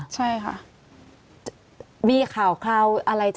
ใช่ค่ะ